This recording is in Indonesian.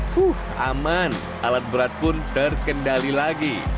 wuh aman alat berat pun terkendali lagi